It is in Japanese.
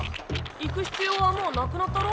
行く必要はもうなくなったろ？